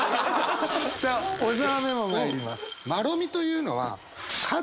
さあ小沢メモまいります。